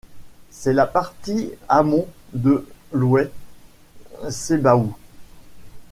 C’est la partie amont de l'oued Sebaou.